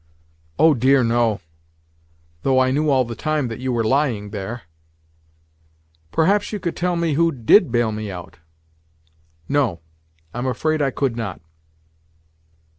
"Oh dear no!—though I knew all the time that you were lying there." "Perhaps you could tell me who did bail me out?" "No; I am afraid I could not."